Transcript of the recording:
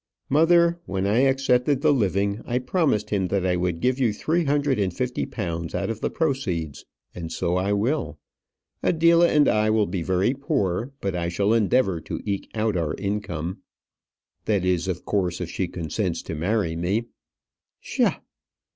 "Mother, when I accepted the living, I promised him that I would give you three hundred and fifty pounds out of the proceeds; and so I will. Adela and I will be very poor, but I shall endeavour to eke out our income; that is, of course, if she consents to marry me " "Psha!"